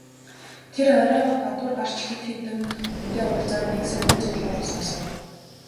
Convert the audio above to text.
Тэр оройгоо гадуур гарч хэд хэдэн хүнтэй уулзаад нэг сонин зүйл олж сонсов.